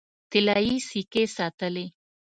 طلايي سکې ساتلې.